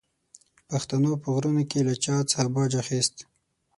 پښتنو په غرونو کې له چا څخه باج اخیست.